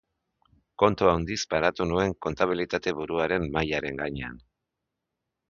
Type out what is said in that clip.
Kontu handiz paratu nuen kontabilitate-buruaren mahaiaren gainean.